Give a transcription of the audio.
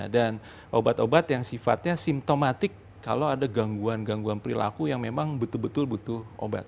dan obat obat yang sifatnya simptomatik kalau ada gangguan gangguan perilaku yang memang betul betul butuh obat